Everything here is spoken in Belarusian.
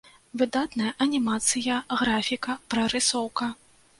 Выдатная анімацыя, графіка, прарысоўка.